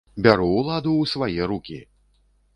Бяру ўладу ў свае рукі!